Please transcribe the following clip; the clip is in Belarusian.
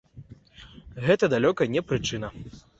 Гэта далёка не прычына.